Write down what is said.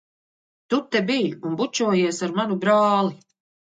Tu te biji un bučojies ar manu brāli!